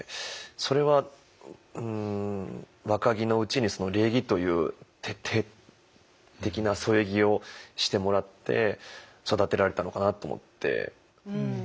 それは若木のうちに礼儀という徹底的な添え木をしてもらって育てられたのかなと思って。